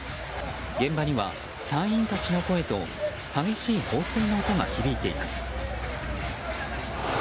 現場には隊員たちの声と激しい放水の音が響いています。